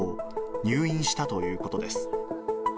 入院したということです。